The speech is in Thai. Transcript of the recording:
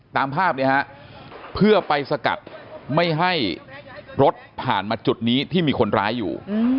ตามภาพเนี่ยฮะเพื่อไปสกัดไม่ให้รถผ่านมาจุดนี้ที่มีคนร้ายอยู่